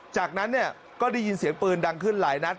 จากนั้นก็ได้ยินเสียงปืนดังขึ้นหลายนัด